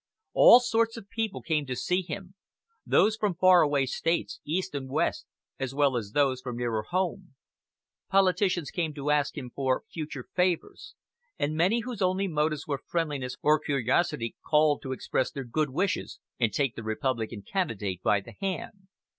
All sorts of people came to see him: those from far away States, East and West, as well as those from nearer home. Politicians came to ask him for future favors, and many whose only motives were friendliness or curiosity called to express their good wishes and take the Republican candidate by the hand.